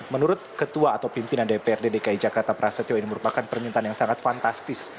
menurut ketua atau pimpinan dprd dki jakarta prasetyo ini merupakan permintaan yang sangat fantastis